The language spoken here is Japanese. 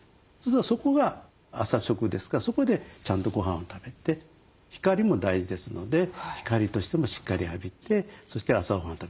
そこが朝食ですからそこでちゃんとごはんを食べて光も大事ですので光としてもしっかり浴びてそして朝ごはんを食べる。